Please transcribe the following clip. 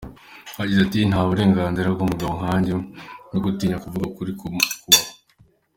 Yagize ati“Nta burenganzira bw’umugabo nkanjye bwo gutinya kuvuga ukuri bubaho.